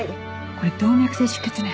これ動脈性出血ね。